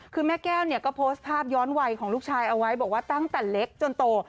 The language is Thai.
คือแม่แก้วเนี่ยก็โพสต์ภาพย้อนวัยของลูกชายเอาไว้บอกว่าตั้งแต่เล็กจนโต